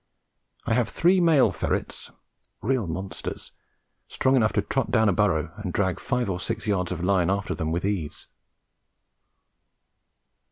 I have three male ferrets, real monsters, strong enough to trot down a burrow and drag five or six yards of line after them with ease.